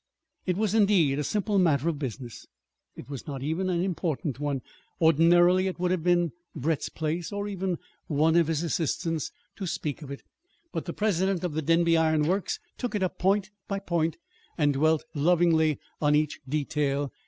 It was, indeed, a simple matter of business. It was not even an important one. Ordinarily it would have been Brett's place, or even one of his assistants', to speak of it. But the President of the Denby Iron Works took it up point by point, and dwelt lovingly on each detail.